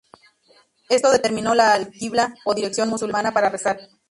Esto determinó la alquibla, o dirección musulmana para rezar.